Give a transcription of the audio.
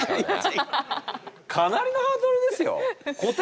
かなりのハードルですよ！